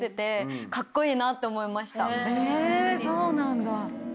そうなんだ。